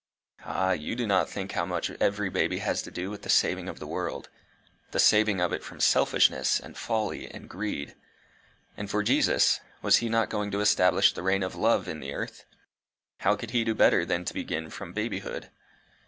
Ah! you do not think how much every baby has to do with the saving of the world the saving of it from selfishness, and folly, and greed. And for Jesus, was he not going to establish the reign of love in the earth? How could he do better than begin from babyhood?